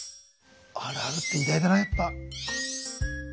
あるあるって偉大だなやっぱ。